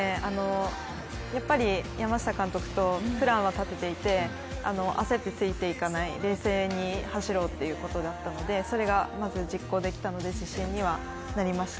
やっぱり山下監督とプランは立てていて焦ってついていかない冷静に走ろうということだったのでそれがまず実行できたので自信にはなりました